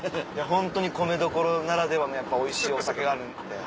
ホントに米どころならではのやっぱおいしいお酒があるんで。